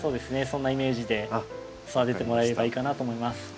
そんなイメージで育ててもらえればいいかなと思います。